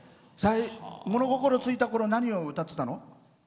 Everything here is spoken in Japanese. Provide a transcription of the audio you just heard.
物心ついたころ何を歌ってたの？